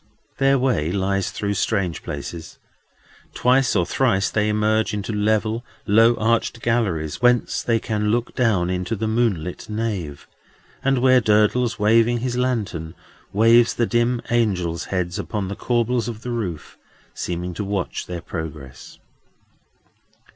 Their way lies through strange places. Twice or thrice they emerge into level, low arched galleries, whence they can look down into the moon lit nave; and where Durdles, waving his lantern, waves the dim angels' heads upon the corbels of the roof, seeming to watch their progress.